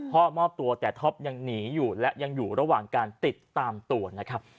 มอบตัวแต่ท็อปยังหนีอยู่และยังอยู่ระหว่างการติดตามตัวนะครับ